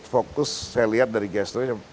fokus saya lihat dari gesturnya